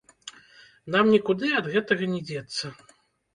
Нам нікуды ад гэтага не дзецца.